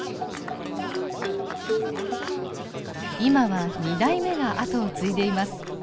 今は２代目が後を継いでいます。